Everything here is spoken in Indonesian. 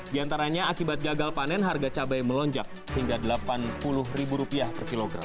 di antaranya akibat gagal panen harga cabai melonjak hingga rp delapan puluh per kilogram